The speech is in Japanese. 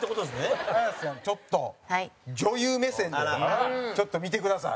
蛍原：綾瀬さん、ちょっと女優目線でちょっと見てください。